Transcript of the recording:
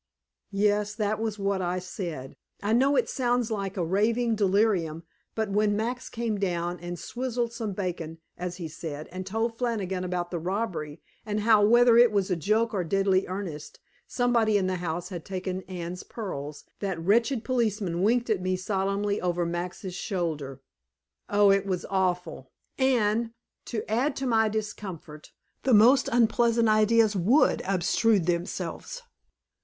Yes, that was what I said. I know it sounds like a raving delirium, but when Max came down and squizzled some bacon, as he said, and told Flannigan about the robbery, and how, whether it was a joke or deadly earnest, somebody in the house had taken Anne's pearls, that wretched policeman winked at me solemnly over Max's shoulder. Oh, it was awful! And, to add to my discomfort, the most unpleasant ideas WOULD obtrude themselves.